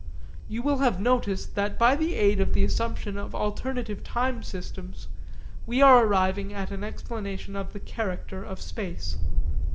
You will have noticed that by the aid of the assumption of alternative time systems, we are arriving at an explanation of the character of space.